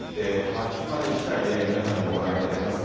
始まりしだい、皆さんにもご覧いただきます。